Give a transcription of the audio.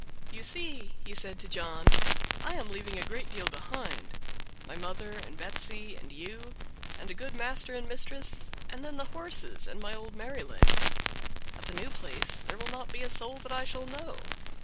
"You see," he said to John, "I am leaving a great deal behind; my mother and Betsy, and you, and a good master and mistress, and then the horses, and my old Merrylegs. At the new place there will not be a soul that I shall know.